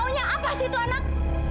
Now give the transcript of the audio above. maunya apa sih itu anak